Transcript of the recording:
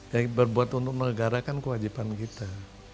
ya berbuat untuk negara kan kewajiban kita